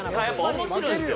面白いんすよ。